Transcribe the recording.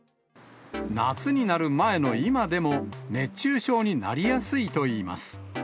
夏になる前の今でも、熱中症になりやすいといいます。